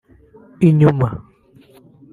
inyuma